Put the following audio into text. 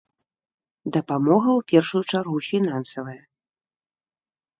Дапамога ў першую чаргу фінансавая.